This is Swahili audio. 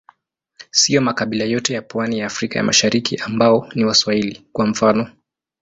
Siyo makabila yote ya pwani ya Afrika ya Mashariki ambao ni Waswahili, kwa mfano.